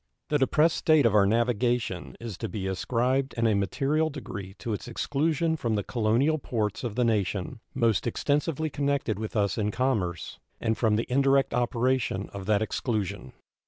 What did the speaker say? The depressed state of our navigation is to be ascribed in a material degree to its exclusion from the colonial ports of the nation most extensively connected with us in commerce, and from the indirect operation of that exclusion.